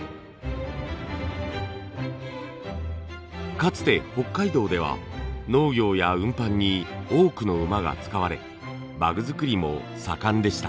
かつて北海道では農業や運搬に多くの馬が使われ馬具作りも盛んでした。